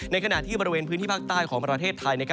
ขณะที่บริเวณพื้นที่ภาคใต้ของประเทศไทย